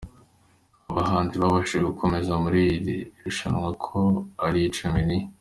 Abahanzi babashije gukomeza muri iri rushanwa uko ari icumi ni;.